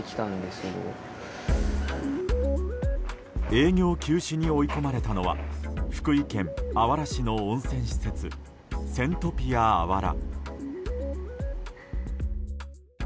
営業休止に追い込まれたのは福井県あわら市の温泉施設セントピアあわら。